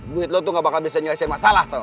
duit lo tuh gak bakal bisa nyelesain masalah